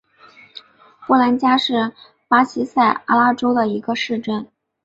波兰加是巴西塞阿拉州的一个市镇。